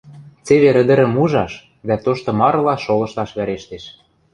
Цевер ӹдӹрӹм ужаш дӓ тошты марыла шолышташ вӓрештеш.